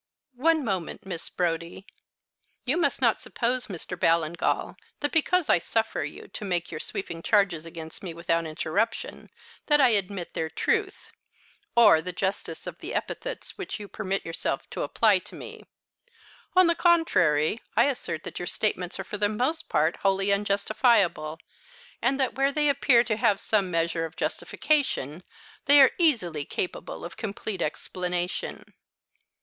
"One moment, Miss Brodie. You must not suppose, Mr. Ballingall, that because I suffer you to make your sweeping charges against me without interruption, that I admit their truth, or the justice of the epithets which you permit yourself to apply to me. On the contrary, I assert that your statements are for the most part wholly unjustifiable, and that where they appear to have some measure of justification, they are easily capable of complete explanation.